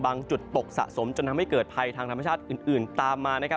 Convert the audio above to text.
จุดตกสะสมจนทำให้เกิดภัยทางธรรมชาติอื่นตามมานะครับ